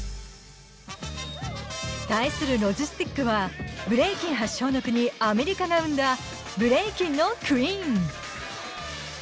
対するＬｏｇｉｓｔｘはブレイキン発祥の国、アメリカが生んだブレイキンのクイーン。